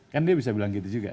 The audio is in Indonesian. kan dia bisa bilang gitu juga